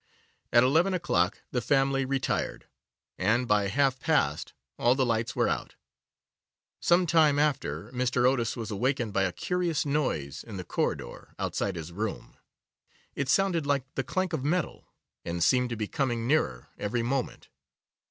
At eleven o'clock the family retired, and by half past all the lights were out. Some time after, Mr. Otis was awakened by a curious noise in the corridor, outside his room. It sounded like the clank of metal, and seemed to be coming nearer every moment.